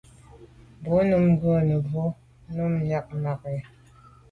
Bo num ngù mebwô num miag mage.